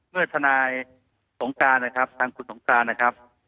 ทนายสงการนะครับทางคุณสงการนะครับ